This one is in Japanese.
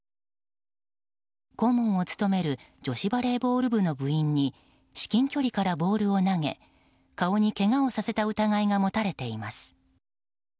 顧問を務める女子バレーボール部の部員に至近距離からボールを投げ顔にけがをさせた疑いが持たれています。